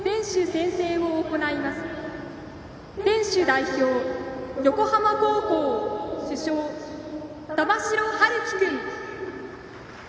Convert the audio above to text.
選手代表、横浜高校主将玉城陽希君。